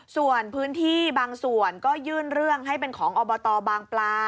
ส่วนพื้นที่บางส่วนก็ยื่นเรื่องให้เป็นของอบตบางปลา